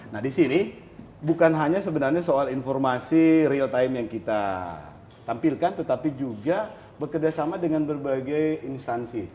nah di sini bukan hanya sebenarnya soal informasi real time yang kita tampilkan tetapi juga bekerjasama dengan berbagai instansi